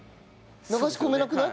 流し込めなくない？